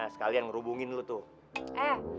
sekalian ngerubungin lo tuh